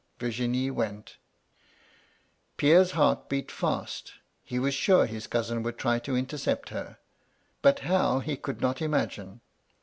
Virginie went Pierre's heart beat tasL He was sure his cousin would try to intercept her; but how, he could not imagine.